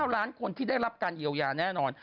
ล้านคนที่ได้รับการเยียวยาแน่นอน